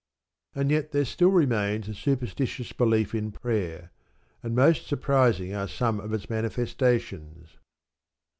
And yet there still remains a superstitious belief in prayer, and most surprising are some of its manifestations.